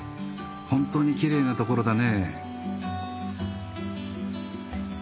本当にきれいなところだね。